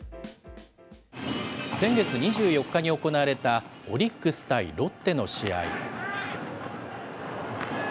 先月２４日に行われたオリックス対ロッテの試合。